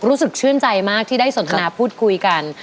รู้สึกชื่นใจมากที่ได้สนทนาพูดคุยกัน